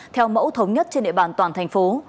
theo mẫu thống nhất trên địa bàn toàn thành phố